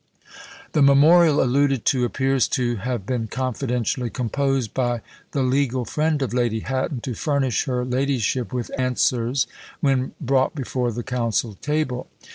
The memorial alluded to appears to have been confidentially composed by the legal friend of Lady Hatton, to furnish her ladyship with answers when brought before the council table.